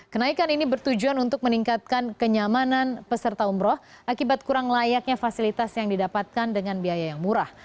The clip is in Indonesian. kenaikan ini bertujuan untuk meningkatkan kenyamanan peserta umroh akibat kurang layaknya fasilitas yang didapatkan dengan biaya yang murah